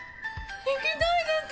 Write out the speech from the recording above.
行きたいです！